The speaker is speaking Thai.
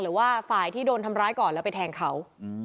หรือว่าฝ่ายที่โดนทำร้ายก่อนแล้วไปแทงเขา